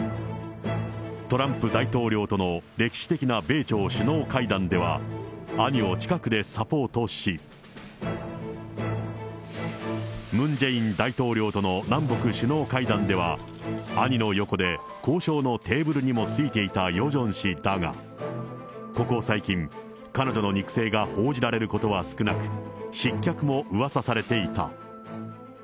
トランプ大統領との歴史的な米朝首脳会談では、兄を近くでサポートし、ムン・ジェイン大統領との南北首脳会談では、兄の横で交渉のテーブルにも着いていたヨジョン氏だが、ここ最近、彼女の肉声が報じられることは少なく、失脚もうわさされていた。